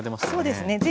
そうですね